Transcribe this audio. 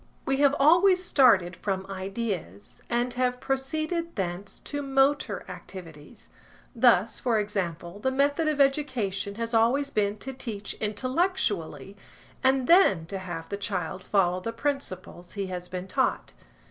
We have always started from ideas, and have proceeded thence to motor activities; thus, for example, the method of education has always been to teach intellectually, and then to have the child follow the principles he has been taught.